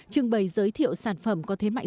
trưng bày giới thiệu sản phẩm có thế mạnh